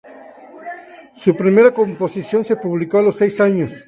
Su primera composición se publicó a los seis años.